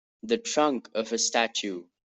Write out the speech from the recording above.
The trunk of a statue.